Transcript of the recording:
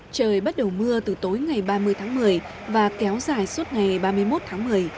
trời bắt đầu mưa từ tối ngày ba mươi tháng một mươi và kéo dài suốt ngày ba mươi một tháng một mươi